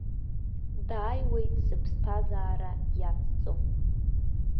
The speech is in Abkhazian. Дааиуеит сыԥсҭазаара иацҵо.